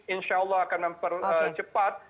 insya allah akan cepat